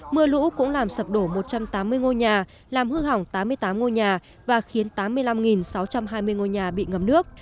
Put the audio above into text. mưa lũ cũng làm sập đổ một trăm tám mươi ngôi nhà làm hư hỏng tám mươi tám ngôi nhà và khiến tám mươi năm sáu trăm hai mươi ngôi nhà bị ngập nước